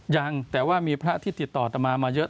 ยังแต่ว่ามีพระที่ติดต่อตามมามาเยอะ